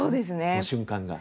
その瞬間が。